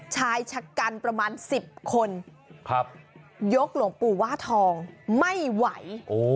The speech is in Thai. ชายชะกันประมาณ๑๐คนยกหลวงปู่ว่าทองไม่ไหว